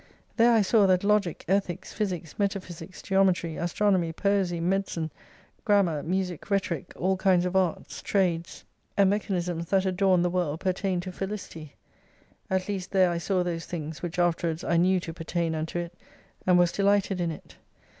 There I saw that Logic, Ethics, Physics, Metaphysics, Geometry, Astronomy, Poesy, Medicine, Grammar, Music, Rhetoric all kinds of Arts, Trades, i86 and Mechanisms that adorned the world pertained to felicity ; at least there I saw those things, which after wards I knew to pertain unto it : and was delighted in it.